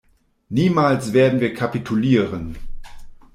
Niemals werden wir kapitulieren!